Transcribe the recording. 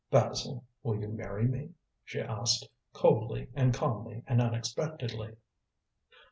"Basil, will you marry me?" she asked, coldly and calmly and unexpectedly.